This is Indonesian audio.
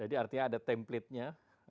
jadi artinya ada templatenya